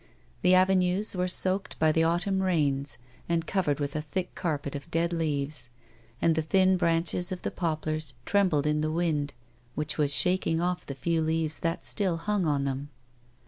The avenues were soaked by the autumn rains and covered with a thick carpet of dead leaves, and the thin branches of the poplars trembled in the wind which was shaking off" the few leaves that still hung on them.